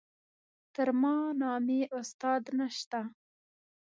تر ما نامي استاد نشته.